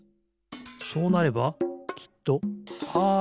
そうなればきっとパーがでる。